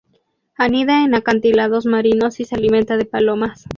Anida en acantilados marinos y se alimenta de palomas.